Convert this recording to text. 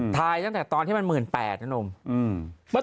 ทายตั้งแต่ตอนที่มัน๑๘๐๐๐บาท